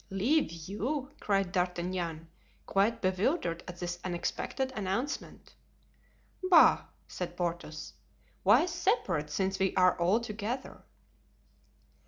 "Leave you!" cried D'Artagnan, quite bewildered at this unexpected announcement. "Bah!" said Porthos, "why separate, since we are all together?"